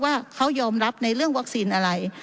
ว่าเขายอมรับในเรื่องวัคซีนอะไร